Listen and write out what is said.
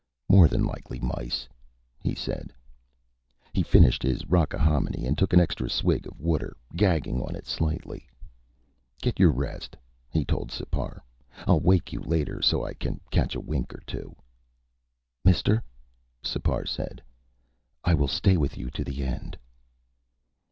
"More than likely mice," he said. He finished his rockahominy and took an extra swig of water, gagging on it slightly. "Get your rest," he told Sipar. "I'll wake you later so I can catch a wink or two." "Mister," Sipar said, "I will stay with you to the end."